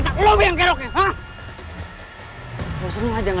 patung lengket tapi nggak bisa